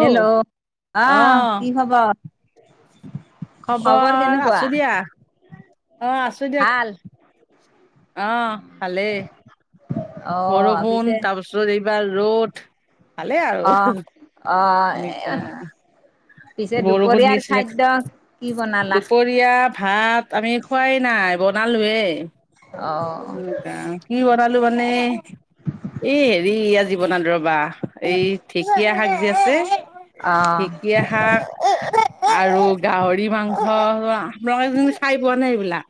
Hello অ আহ কি খবৰ? খবৰ আছো দিয়া অ আছো। দিয়া ভাল অ ভালেই। অ বৰষুণ পিছে তাৰপিছত এইবাৰ ৰ'দ ভালেই অ আৰু। অ এ নিকা পিছে বৰষূণ দুপৰীয়াৰ দিছিলে খাদ্য কি দুপৰ বনালা দুপৰীয়া ভাত আমি খোৱাই নাই বনালোৱে। অ। আহ কি বনালো মানে এই হেৰি আজি বনালো ৰবা এই ঢেকীয়া শাক যে অ ঢেঁকীয়া শাক আৰু গাহৰি মাংস আক আজিলৈকে খাই পোৱা নাই এইবিলাক।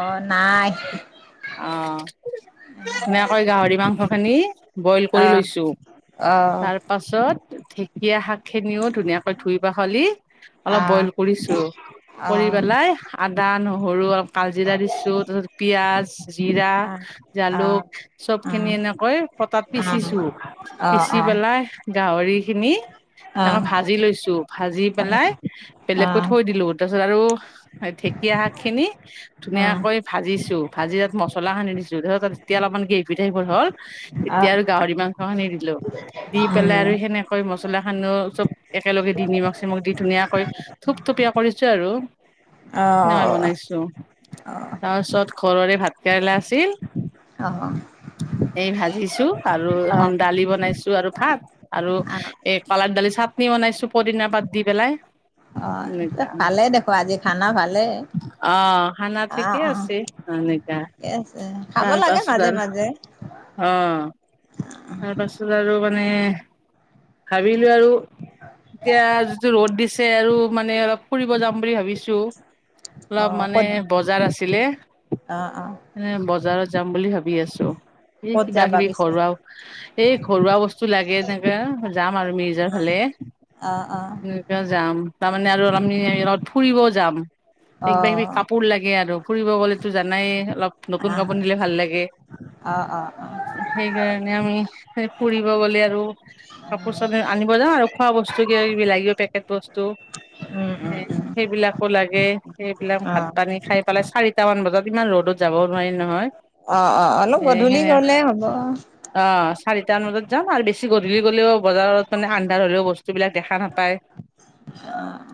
অ নাই অ। ধুনীয়াকৈ গাহৰি মাংসখিনি বইল অ কৰি লৈছো অ তাৰ পাছত সেই ঢেকীয়া শাক খিনিও ধুনীয়াকৈ ধুই পাখলি অ অলপ বইল কৰিছোঁ। অ অ অ কৰি অ পেলাই আদা, নহৰু অকাল জিৰা দিছো তাৰপিছত পিয়াজ, জিৰা অ জালুক অ অ অ অ অ অ অ চবখিনি উম এনেকৈ পটাত অ পিচিছো, পিচি পেলাই গাহৰিখিনি তাৰপৰা ভাজি লৈছো, ভাজি পেলাই বেলেগকৈ থৈ দিলো। তাৰপাছত আৰু ঢেকীয়া শাকখিনি ধুনীয়াকৈ ভাবিছোঁ, ভাজি তাত মছলা সানি দিছো ধৰক তাত এতিয়া অলপমান গেৰভি টাইপৰ হ'ল। এতিয়া আৰু গাহৰি মাংস সানি দিলো। দি পেলাই আৰু সেনেকৈ মছলা সানো চব একেলগে দি নিমখ - চিমখ দি ধুনীয়াকৈ থুপথুপীয়া কৰিছোঁ আৰু সেনাই অ বনাইছোঁ। তাৰ পিছত ঘৰৰে ভাত কেৰেলা আছিল অ এই ভাবিছোঁ আৰু অ অ এখন দালি বনাইছোঁ আৰু ভাত আৰু এ কলাৰ দালি চাটনি বনাইছোঁ পদিনা পাত দি পেলাই। নেযাওঁ ভালে দেখো আজি খানা ভালে অ। খানা অ', ঠিকে অ', আছে এনেকা ঠিকে আছে খাব লাগে তাৰপাছত মাজে আৰু মাজে অ তাৰপাছত আৰু মানে ভাবিলো আৰু এতিয়া যিটো ৰ'দ দিছে আৰু মানে অলপ ফুৰিব যাম বুলি ভাবিছো? অহ ক'ত? অ অ। এনে বজাৰত যাম বুলি ভাবি আছো? এই ক'ত কিবা যাবা কিবি পিছে ঘৰুৱা এই ঘৰুৱা বস্তু লাগে তেনেকে যাম আৰু। মিৰ্জাৰ ফালে অ', অ', উম। কিয় যাম তাৰমানে আৰু আমি ফুৰিব যাম, কিবা - কিবি অ', কাপোৰ লাগে আৰু। ফুৰিব গলেতো জানাই অলপ নতুন আহ কাপোৰ পিন্ধিলে ভাল লাগে। অ', অ', অ', সেইকাৰণে আমি হে ফুৰিব গ'লে আৰু কাপোৰ আনিব যাওঁ আৰু খোৱা বস্তু কিবা-কিবি লাগিব পেকেট বস্তু। উম, উম। উম, সেইবিলাকো লাগে সেইবিলাক ভাত অ', পানী খাই পেলাই চাৰিটামান বজাত ইমান ৰ'দত যাবও নোৱাৰি নহয়? অ অ অলপ এ গধূলি সেনে গলে হ'ব। অ চাৰিটামান বজাত যাম আৰু বেছি গধূলি গলেও বজাৰত মানে আন্ধাৰ হলেও বস্তুবিলাক দেখা নাপায়। আহ।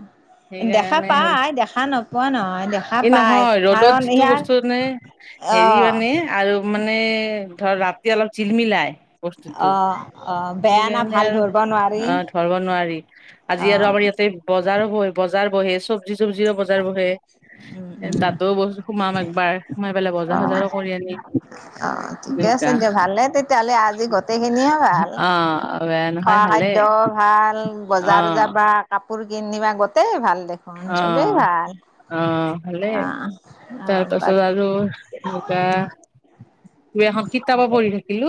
দেখা সেইকাৰণে পায়, দেখা নোপোৱা নহয় দেখা এই পায় নহয় ৰ'দত কাৰণ যিটো ইয়াৰ বস্তু মানে হেৰি অ', মানে আৰু মানে ধৰ ৰাতি অলপ জিলমিলাই। বস্তুটো। অ', অ', বেয়া না সেইকাৰণে ভাল আৰু ধৰিব নোৱাৰি অ ধৰব নোৱাৰি, আজি আৰু অ', আমাৰ ইয়াতে বজাৰো বহে, বজাৰ বহে চবজি চবজিৰো বজাৰ বহে উম, উম, তাতো বচ সোমাম একবাৰ, সোমাই পেলাই অ', বজাৰ-চজাৰো কৰি আনিম। অ', ঠিকে আছে এনেকা দিয়া, ভালে তেতিয়াহ'লে আজি গটেইখিনিয়ে ভাল। অ', ৱেন খোৱা খাদ্য ভাল, বজাৰ অ' যাবা, কাপোৰ কিনিবা, গতেই ভাল দে অ', চবেই ভাল। অ', ভালেই আহ আহ তাৰ বা পাছত আৰু মুগা দুই-এখন কিতাপ পঢ়ি থাকিলো,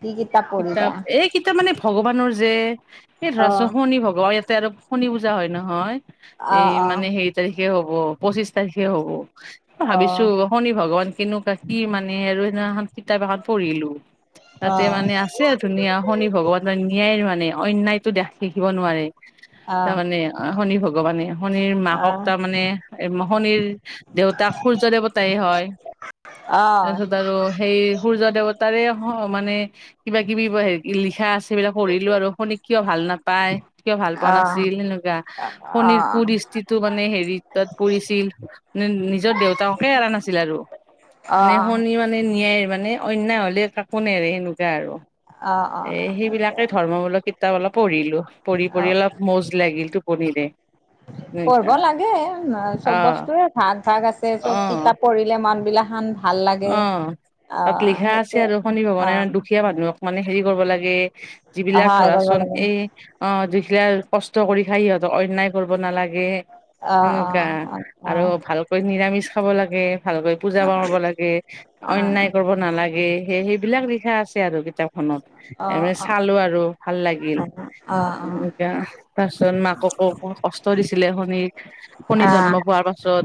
কি পঢ়িলা কিতাপ এই কিতাপ মানে ভগৱানৰ যে, এই ধৰাছো আহ শনি ভগৱান ইয়াতে আৰু শণী পূজা হয় নহয়। এই আহ মানে হেৰি তাৰিখে হব, পঁচিশ তাৰিখে হব। মই ভাবিছো আহ শনি ভগৱান কেনেকুৱা কি মানে আৰু সেনেকোৱা এখন কিতাপ এখন পঢ়িলো। তাতে আহ মানে আছ ধুনীয়া শনি ভগৱান ন্যায় মানে অন্যায়টো দেখ-দেখিব নোৱাৰে তাৰমানে। অ', শনি ভগৱানে শনিৰ মাকক আহ তাৰমানে, এ শনিৰ দেউতাক সূৰ্য দেৱতাই হয়। আহ আহ তাৰপিছত আৰু সেই সূৰ্য দেৱতাৰে হ মানে কিবা-কিবি হেৰি লিখাছ সেইবিলাক পঢ়িলো আৰু শনিক কিয় ভাল নাপায়, কিয় ভাল পোৱা আহ আহ নাছিল, সেনেকুৱা। শনিৰ আহ কু দৃষ্টিটো মানে হেৰিৰ তাত পৰিছিল নি-নিজৰ দেউতাককে এৰা নাছিল আৰু। অ'। সি মানে ন্যায় মানে অন্যায় হলে কাকো নেৰে সেনেকুৱা আৰু। আহ এ আহ সেইবিলাকে ধৰ্মমূলক কিতাপ অলপ পঢ়িলো, পঢ়ি অ পঢ়ি অলপ মৌজ লাগিল টো পনিৰে পঢ়ব লাগে না অ চব বস্তুৰে ভাগ ভাগ আছে অ চব কিতাপ পঢ়িলে মানবিলাক শান অ', তাত লিখা আছে সেইটোৱে আৰু শনি অ ভৱানে দুখীয়া মানুহক মানে হেৰি কৰব লাগে যিবিলাক সহায় কৰিব ধৰাচোন লাগে এই অ', দুখিলা কষ্ট কৰি খাই সিহঁতক অন্যায় কৰব নালাগে। অ', সেনেকুৱা, আৰু ভালকৈ নিৰামিচ খাব লাগে, ভালকৈ পূজা পাৰ্বন লাগ অন্যায় কৰিব নালাগে, সেই-সেইবিলাক লিখা আছে আৰু কিতাপখনত। এ চালো আৰু ভাল লাগিল। এনে তাৰপিছত মাককো কষ্ট দিছিলে শনি, শনি জন্ম পোৱাৰ পাছত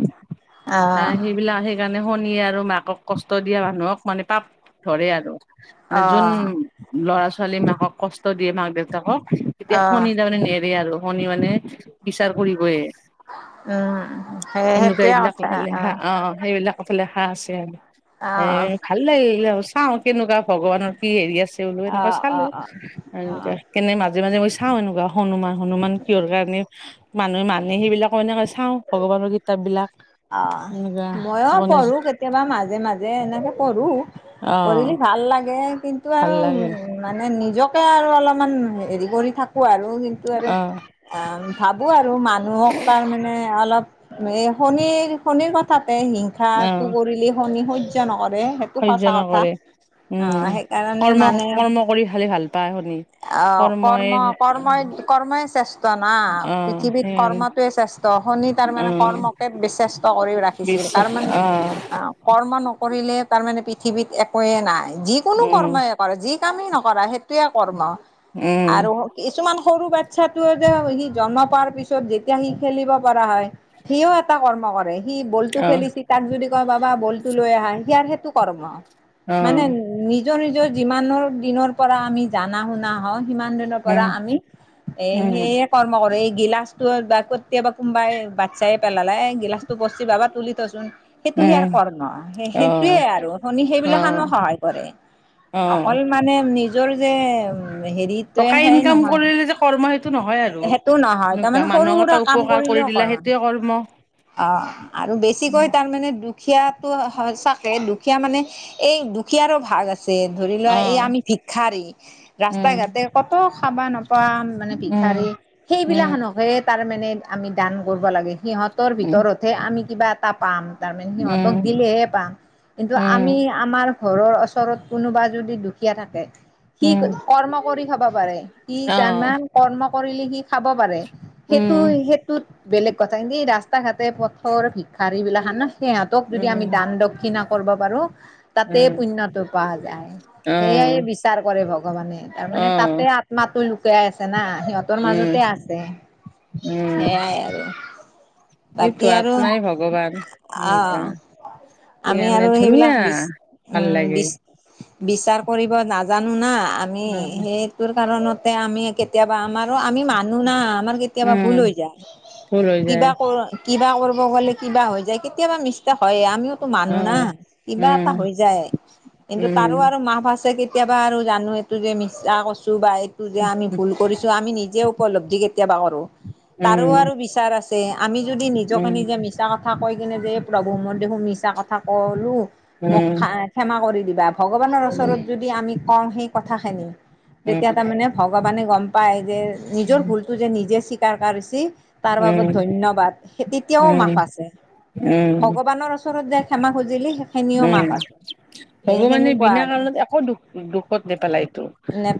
সে এইবিলাক সেইকাৰণে শনিয়ে আৰু মাকক কষ্ট দিয়া মানুহক মানে পাপ ধৰে আৰু। মানে যোন ল'ৰা-ছোৱালী মাকক কষ্ট দিয়ে, মাক দেউতাকক তেতিয়া শনি তাৰমানে নেৰে আৰু শনি মানে বিচাৰ কৰি বই সেই হিন্দু [unintelligible] সেইটোৱে এইবিলাক কথা লে হা অ সেইবিলাকক লে হা আছে আৰু। অ', এ অ', ভাল লাগিলে আৰু চাও কেনেকুৱা ভগৱানৰ কি হেৰি আছে বোলো এনেকুৱা অ', চালো অ', অ', আৰু অ'। এতিয়া অ'। সেকানে মাজে মাজে মই চাও এনেকুৱা। হনুমান হনুমান কিহৰ কাৰণে মানুহে মানে সেইবিলাকো এনেকে চাও ভগৱানৰ কিতাপ বিলাক অ', এনেকুৱা ময়ো গণেশ পঢ়ো কেতিয়াবা মাজে মাজে এনেকৈ কৰোঁ অ কৰিলি ভাল লাগে কিন্তু ভাল আৰু লাগে মানে নিজকে আৰু অলপমান হেৰি কৰি থাকো আৰু কিন্তু আৰু অ ভাবোঁ আৰু মানুহক তাৰমানে অলপ এই শনিৰ, শনিৰ কথাতে অ হিংসাটো কৰিলে শনি সহ্য নকৰে। টো সহ্য সঁচা কথা। নকৰে উম অ', সেইকাৰণে কৰ্ম মানে কৰ্ম কৰি খালি ভাল পায় শুনি আহ কৰ্মই কৰ্ম কৰ্মই, কৰ্মই শ্ৰেষ্ঠ না অ পৃথিৱীত সেই কৰ্মটোৱে শ্ৰেষ্ঠ শনি অ তাৰমানে কৰ্মকে বিশেষত্ব কৰি ৰাখিছিল বিশ্বাস তাৰমানে অ কৰ্ম নকৰিলে তাৰমানে পৃথিৱীত একোৱেই নাই, যিকোনো উম কৰ্মই কৰা যি কামেই নকৰা সেইটোৱে কৰ্ম উম আৰু কিছুমান সৰু বাচ্ছাটোৱে যে সি জন্ম পোৱাৰ পিছত যেতিয়া সি খেলিব পৰা হয় সিও এটা কৰ্ম কৰে সি বলটো অ খেলিছে তাক যদি কয় বাবা বলটো লৈ আহা সি সেইটো কৰ্ম অ মানে নিজৰ নিজৰ যিমানৰ দিনৰ পৰা আমি জানা শুনা হওঁ সিমান দিনৰ পৰা উম আমি এ উম সেই কৰ্ম কৰে এই গিলাচটো বা কেতিয়াবা কোনোবাই বাচ্ছাই পেলালে গিলাচটো পচি বাবা তুলি থচোন সেইটো সেইয়াৰ উম কৰ্ম অ সেইটোৱে আৰু শনি সেইবিলাক খানো সহায় কৰে অঁহ অকল মানে নিজৰ যে হেৰিটোৱে টকা সেই ইনকাম নহয় কৰিলে যে কৰ্ম সেইটো নহয় আৰু সেইটো নহয় এনেকুৱা তাৰমানে সৰু মানুহক সুৰা এটা উপকাৰ কৰি দিলা সেই তিয় কৰ্ম অহ আৰু বেছিকৈ তাৰ মানে দুখ দুখীয়া তো সঁচাকে দুখীয়া মানে এই দুখীয়াৰো ভাগ আছে ছে ধৰি লোৱা এই অ', আমি ভিক্ষাৰী ৰাস্তা উম, ঘাটে কত খাবা নোপোৱা মানে ভিক্ষাৰী উম, সেইবিলাক উম, খানকে তাৰ মানে আমি দান কৰিব লাগে সিহঁতৰ উম, ভিতৰত যে আমি কিবা এটা পাম তাৰমানে সিহঁতক উম, দিলেহে পাম কিন্তু আমি উম, আমাৰ ঘৰৰ ওচৰত কোনোবা যদি দুখীয়া থাকে সি উম, কৰ্ম কৰি খাব পাৰে সি অ', যিমান কৰ্ম কৰিলে সি খাব পাৰে সেইটো উম, সেইটোত বেলেগ কথা হেৰি ৰাস্তা ঘাটে প চহৰ ভিক্ষাৰ বিলাক ন সিহঁতক যদি আমি উম, দান দক্ষিণা কৰিব পাৰোঁ তাতেই উম, পুণ্যতো পোৱা যায় সেয়ে অ', বিচাৰ কৰে ভগৱানে তাৰমানে অ', তাতে আত্মাটো লুকাই আছে না সিহঁত তোৰ উম, মাজতে আছে উম, সেইয়াই আৰু এইটো বাকী আৰু আত্মাই ভগৱান অহ এনেকুৱা আমি সেইকাৰণে আৰু সেইবিলাক ধুনীয়া বিচ ভাল উম লাগে বিচ বিচাৰ কৰিব নাজানো না আমি উম, সেইটোৰ কাৰণতে আমি কে কেতিয়াবা আমাৰো আমি মানুহ না আমাৰ কেতিয়াবা উম, ভুল হৈ যায় ভুল হৈ কিবা যায় কৰ কিবা কৰিব গ'লে কিবা হৈ যায় কেতিয়াবা মিষ্টেক হয় আমিও মানুহ না অ', কিবা উম, এটা হৈ যায় কিন্তু তাৰো উম, আৰু মাফ আছে কেতিয়াবা আৰু জানো এইটো যে মিছা কৈছোঁ বা এইটো যে আমি ভুল কৰিছোঁ আমি নিজে উপলব্ধি কেতিয়াবা কৰোঁ। তাৰো আৰু উম, বি বিচাৰ আছে আমি যদি নিজকে নিজে উম, মিছা কথা কৈ কিনে যে এই প্ৰভু মই দেখোন মিছা ক মিছা ক'লো মোক উম, খাই ক্ষমা কৰি দিবা। ভগৱানৰ উম, ওচৰত যদি আমি কওঁ সেই কথা খিনি তেতিয়া উম। তাৰ মানে ভগৱানে গম পায় যে নিজৰ উম, ভুল তো যে নিজে স্বীকাৰ কৰিছে তাৰ উম, বাবদ ধন্যবাদ সেই তেতিয়াও উম, মাফ আছে ভগৱানৰ ওচৰত যে ক্ষমা খুজিলি সেইখিনিও উম, মাফ আছে এই ভগৱানে সেনেকুৱা বিনা আৰু কাৰণত একো দুখ দুখত নেপেলায়টো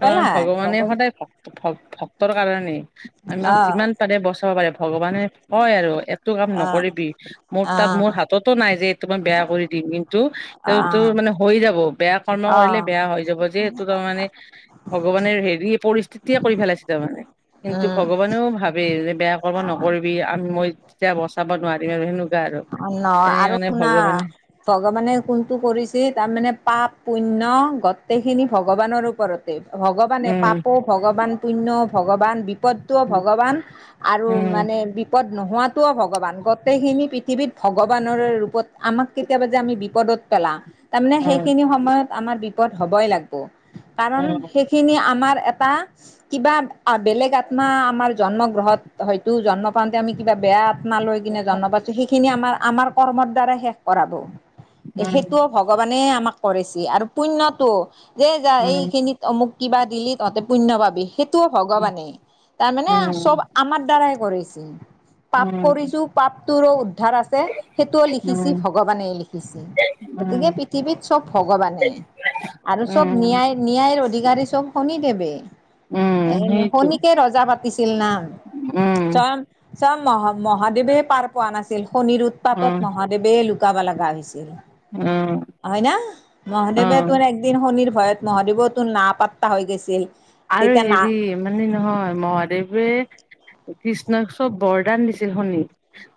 কাৰণ ভগৱানে ভগ সদায় ভক্তৰ কাৰণে আমাক অ যিমান পাৰে ব ভগৱানে কয় আৰু এইটো কাম অ নকৰিবি মোৰ অ তাত মোৰ হাততো নাই যে তমই বেয়া কৰি দিম কিন্তু অ তোৰ মানে হৈ যাব বেয়া কৰ্ম অ কৰিলে বেয়া হৈ যাব যিহেতু তাৰ মানে ভগৱানে হেৰি পৰিস্থিতিয়ে কৰি পেলাইছে তাৰমানে কিন্তু উম ভগৱানেও ভাবে যে বেয়া মিছাঁ নকৰিবি আমি মই তেতিয়া বচাব নোৱাৰিম আৰু সেনেকুৱা আৰু অ ন এনে আৰু কাৰণে শুনা ভগৱানে ভগৱানে কোনটো কৰিছে তাৰমানে পাপ পুণ্যয় গোটেইখিনি ভগৱানৰ ওপৰত যে ভগৱানে উম পাপো ভগৱান পুণ্য ভগৱান বি বিপদটোও ভগৱান আৰু উম উম মানে বিপদ নোহোৱাটোও ভগৱান গোটেইখিনি পৃথিৱীত ভগৱানৰ ৰূপত আমাক কেতিয়াবা যে আমি বিপদত পেলা তাৰমানে সেইখিনি সময়ত আমাৰ বিপদ হবই লাগব কাৰণ উম সেইখিনি আমাৰ এটা কিবা বেলেগ আত্মা আমাৰ জন্ম গ্ৰহত হয়তো জন্ম পাওঁতে আমি কিবা বেয়া আত্মা লৈ জন্ম পছো সেইখিনি আমাৰ আমাৰ কৰ্মৰ দ্বাৰা শেষ কৰাব উম সেইটো ভগৱানে আমাক কৰিছে আৰু পুণ্যটো যে য উম উম উম এইখিনিত মোক কিবা দিলি তহঁতে পুণ্য পাবি সেইটোও ভগৱানে তাৰমানে চব আমাৰ দ্বাৰাই কৰিছে পাপ কৰিছো পাপটোৰো উদ্ধাৰ আছে সেইটোও লিখিছ উম ভগৱানে লিখিছ উম উম গতিকে পৃথিৱীত চব ভগৱানে আৰু চব ন্যায় ন্যায়ৰ অধিকাৰী চব শুনিদৱে উম এনে সেইটো শনীকে ৰজা পাতিছিল না উম চাম চা মহা মহাদেৱে পাৰ পোৱা নাছিল শনিৰ উৎপাতত উম মহাদেৱ মহাদেৱে লুকাব লগা হৈছিল উম হয় ন অ মহাদেৱে তো দিন শনিৰ ভয়ত মহাদেৱ তো না পাত্তা হৈ গৈছিল আৰু তেতিয়া না হেৰি মানে নহয় মহাদেৱে কৃষ্ণক চব বৰদান দিছিল শনি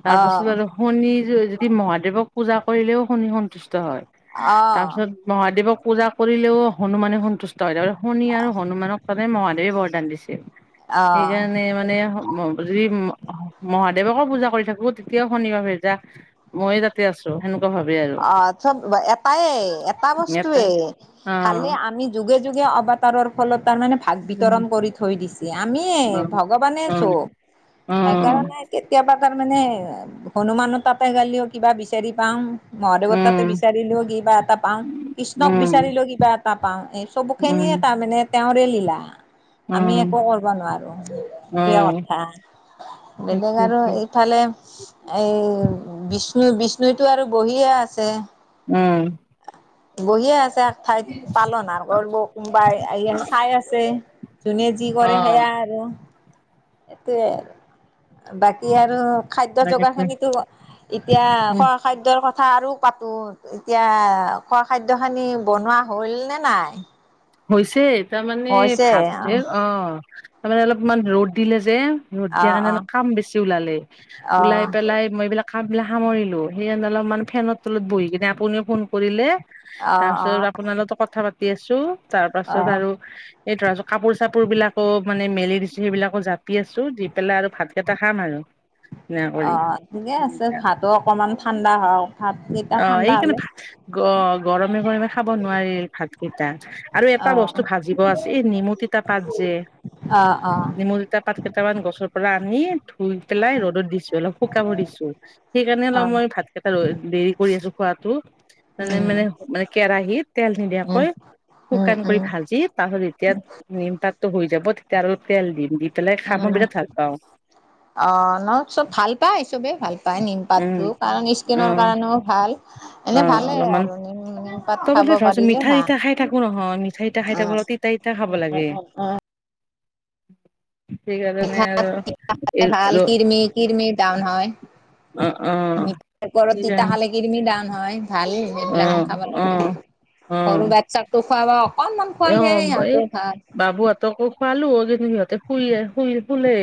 তাৰ পাছত অহ আৰু শনি যদি মহাদেৱক পূজা কৰিলেও শনি সন্তুষ্ট হয় অহ তাৰপিছত মহাদেৱক পূজা কৰিলেও হনুমানে সন্তুষ্ট হয় থ শনি আৰু হনুমানক সে মহাদেৱে বৰদান দিছিল অহ সেইকাৰণে মানে যদি মহাদেৱকো পূজা কৰি থাকো তেতিয়াও শনিবাৰ ভে যা মই তাত অ চব এটাই এটা এটাই বস্তুৱয়ে অ খালে আমি যুগে যুগে অবতাৰৰ ফলত তাৰ মানে ভাক বিতৰণ কৰি থৈ দিছে আমি অ ভগৱানে অ চব অ সেইকাৰণে কেতিয়াবা তাৰমানে হনুমানৰ তাতে গালিও কিবা বিচাৰি পাওঁ মহাদেৱত তাো উম বিচাৰিলেও কি বা এটা পাওঁ কৃষ্ণক উম উম বিচাৰিলেও কিবা এটা পাওঁ এ চবু খিনি উম এ তাৰ মানে তেওঁৰে লীলা আমি উম একো কৰিব নোৱাৰো কে কথা বেলেগ আৰু ইফালে এই বিষ্ণু বিষ্ণুতো আৰু বহিয়ে আছে উম বহিয়ে আছে এক ঠাইত পালন আৰু কৰিব কোনোবাই আহিয়ে চাই আছে। যোনে যি অ কৰে সেয়া আৰু। সটোৱে আৰু বাকী আৰু খাদ্য তাকেতো যোগাৰখিনিতো এতিয়া উম খাদ্যৰ কথা আৰু পাতোঁ এতিয়া খোৱা খাদ্য খিনি বনোৱা হ'ল নে নাই? হৈছে তাৰমানে হৈছে ভাত অ তাৰমানে অলপমান ৰ'দ দিলে যে ৰ'দ অ', দিয়া অ', কাৰণে অ', কাম বেছি ওলালে ওলাই অ', পেলাই মই এইবিলাক কাম বিলাক সামৰিলোঁ সেইকাৰণে অলপমান ফেনৰ তলত বহি কিনে আপুনি ফোন কৰিলে তাৰ অ', পাছত আপোনাৰ লগতো কথা পাতি আছো তাৰ পাছত অ', আৰু এই ধৰাছ কাপোৰ চাপোৰ বিলাকো মানে মেলি দিছো সেইবিলাকো জাপি আছো দি পেলাই আৰু ভাত এটা খাম আৰু সেয়া অ কৰি ঠিকে আছে ভাতো অকমান ঠাণ্ডা হয় ভাত কেইটা ঠাণ্ডা এইকাৰণে হলে ভাত অ গৰমে গৰমে খাব নোৱাৰি ভাত কেইটা আৰু এটা অ', বস্তু ভাজিব আছে এই নিমু তিতা পাত যে অঁ অঁ টা পাত কেইটামান গছৰ পৰা আনি ধুই পেলাই ৰ'দত দিছো অলপ শুকাব দিছো সেইকাৰণে অলপ অ', মই ভাতকেইটা ৰ দেৰি কৰি আছো খোৱাতটো মে মানে উম, মানে কেৰাহিতত তেল উম, নিদিয়াকৈ উম, শুকান কৰি উম, ভাজি তাৰপছত যেতিয়া নিমপাতটো হৈ যাব তেতিয়া অলপ তেল দিম দি পেলাই খাই মই বিৰাট ভাল পাওঁ। [inaudible] অঁ ন চব ভাল পায় চবেই ভাল পায় উম নিমপাতটো কাৰণ অ স্কিনৰ কাৰণেও ভাল অ এনে ভালে অলপমান আৰু নিম নিমপাত তই ব খাব ধৰাছ পাৰিলে মিঠা ভাল চিঠাই খাই থাকো নহয় মিঠা চিঠাই খাই থাকো অল এতিয়া খাব লাগে [unintelligible] [unintelligible] সেইকাৰণে তিতা আৰু তিতা খালে এই ভাল ৰ কিৰমি কিৰমি ডাউন হয় অ অ মিঠাইপৰত তিতা সেইকাৰণে খালে কিৰমি দাউন হয় ভালে অ সেইবিলাকান খাব লাগে অ অ সৰু বাচ্ছাকো খোৱাবা অকনমান অ খোৱালেহে এই সিহঁতৰ ভাল বাবুহঁতকো খোৱালো কিন্তু সিহঁতে শুইে শুই শুলেই।